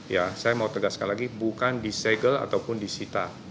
ya saya mau tegaskan lagi bukan disegel ataupun disita